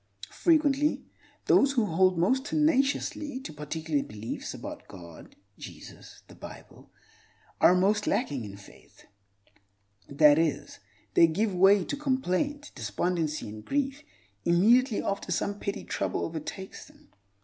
Frequently, those who hold most tenaciously to particular beliefs about God, Jesus, and the Bible are most lacking in faith—that is, they give way to complaint, despondency, and grief immediately after some petty trouble overtakes them.